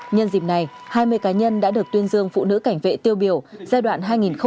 nhân dịp này hai mươi cá nhân đã được tuyên dương phụ nữ cảnh vệ tiêu biểu giai đoạn hai nghìn một mươi năm hai nghìn sáu